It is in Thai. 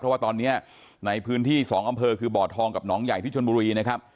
เพราะว่าตอนนี้ในพื้นที่๒อำเภอคือบ่อทองกับหนองใหญ่ที่ชนบุรีนะครับ